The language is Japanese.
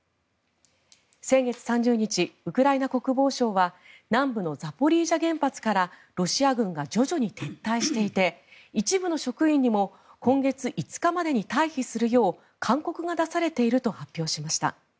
先月３０日、ウクライナ国防省は南部のザポリージャ原発からロシア軍が徐々に撤退していて一部の職員にも今月５日までに退避するよう勧告が出されていると発表しました。